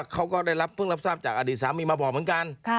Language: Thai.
เขาก็ได้รับเพิ่งรับทราบจากอดีตสามีมาบอกเหมือนกัน